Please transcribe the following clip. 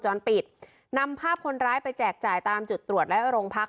จรปิดนำภาพคนร้ายไปแจกจ่ายตามจุดตรวจและโรงพัก